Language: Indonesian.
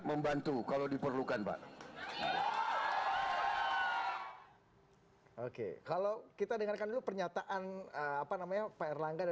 membantu kalau diperlukan pak oke kalau kita dengarkan dulu pernyataan apa namanya pak erlangga dan